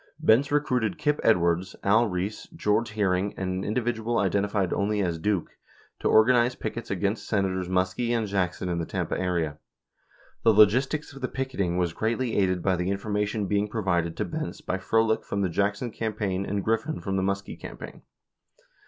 Benz recruited Kip Edwards, A1 Reese, George Hearing, and an indi vidual identified only as "Duke" to organize pickets against Senators Muskie and Jackson in the Tampa area. The logistics of the picketing was greatly aided by the information being provided to Benz by Frohlich from the Jackson campaign and Grifiin from the Muskie campaign.